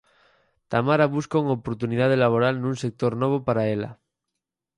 Tamara busca unha oportunidade laboral nun sector novo para ela.